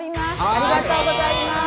ありがとうございます。